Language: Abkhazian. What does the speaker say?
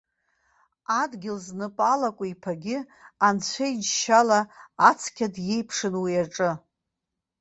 Адгьыл знапы алаку иԥагьы, анцәа иџьшьала, ацқьа диеиԥшын уи аҿы.